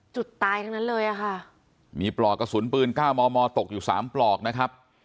ตายทั้งนั้นเลยอะค่ะมีปลอกกระสุนปืน๙มมตกอยู่สามปลอกนะครับ